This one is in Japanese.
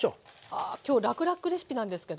ああ今日らくらくレシピなんですけど。